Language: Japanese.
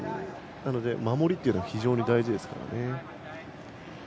なので、守りというのが非常に大事ですからね。